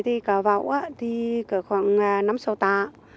thì cá vậu thì khoảng năm sổ tạ